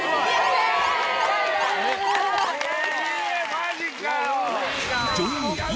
マジかよ！